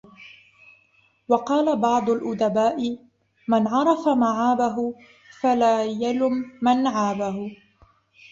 وَقَالَ بَعْضُ الْأُدَبَاءِ مَنْ عَرَفَ مَعَابَهُ فَلَا يَلُمْ مَنْ عَابَهُ